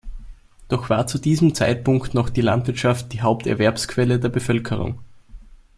Doch war zu diesem Zeitpunkt noch die Landwirtschaft die Haupterwerbsquelle der Bevölkerung.